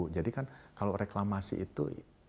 jadi kan kalau reklamasi itu